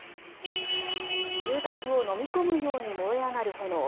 住宅をのみ込むように燃え上がる炎。